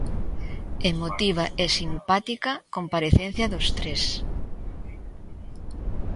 Emotiva e simpática comparecencia dos tres.